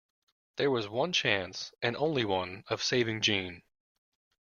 There was one chance, and only one, of saving Jeanne.